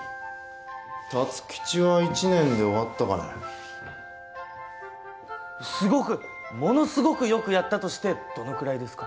辰吉は１年で終わったかねものすごくよくやったとしてどのくらいですか？